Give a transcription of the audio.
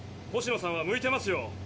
星野さんは向いてますよ。